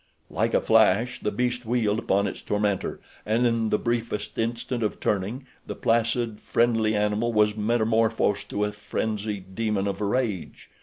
Like a flash the beast wheeled upon its tormentor, and, in the briefest instant of turning, the placid, friendly animal was metamorphosed to a frenzied demon of rage.